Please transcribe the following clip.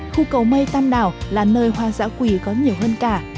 khu cầu mây tam đảo là nơi hoa giã quỳ có nhiều hơn cả